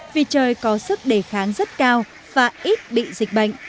vì trời có sức đề kháng rất cao và ít bị dịch bệnh